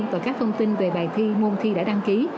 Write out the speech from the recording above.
và các thông tin về bài thi môn thi đã đăng ký